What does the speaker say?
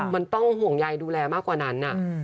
มันต้องห่วงใยดูแลมากกว่านั้น